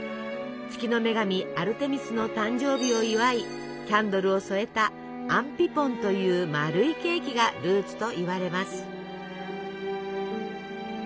月の女神アルテミスの誕生日を祝いキャンドルを添えたアンピポンという丸いケーキがルーツといわれます。